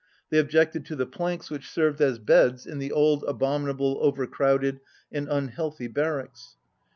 They objected to the 66 planks which served as beds in the old, abomin able, over crowded and unhealthy barracks.